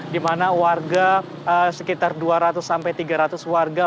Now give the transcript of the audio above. di mana warga sekitar dua ratus sampai tiga ratus warga